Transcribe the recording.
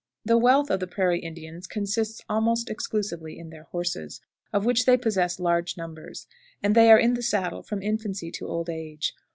The wealth of the Prairie Indians consists almost exclusively in their horses, of which they possess large numbers; and they are in the saddle from infancy to old age.